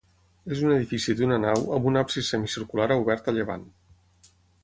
És un edifici d'una nau amb un absis semicircular obert a llevant.